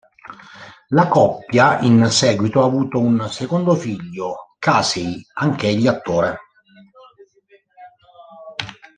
La coppia, in seguito, ha avuto un secondo figlio, Casey, anch'egli attore.